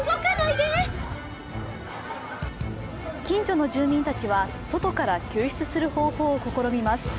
近所の住民たちは外から救出する方法を試みます。